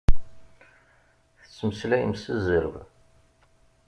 Tettmeslayem s zzerb.